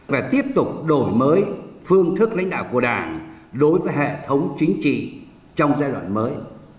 và tiếp tục đổi mới phương thức lãnh đạo của đảng đối với hệ thống chính trị trong giai đoạn mới